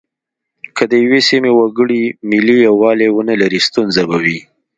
که د یوې سیمې وګړي ملي یووالی ونه لري ستونزه به وي.